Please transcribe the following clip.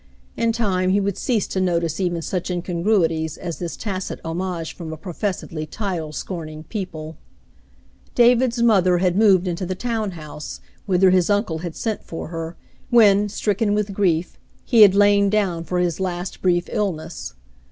In time he would cease to notice even such incongruities as this tacit homage from a professedly title scorning people. David visits his Mother 227 David's mother had moved into the town house, whither his uncle had sent for her, when, stricken with grief, he had lain down for his last brief illness.